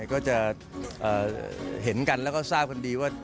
ก็จะเห็นกันแล้วก็ทราบกันดีว่า